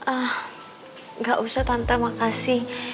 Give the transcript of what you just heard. ah gak usah tante makasih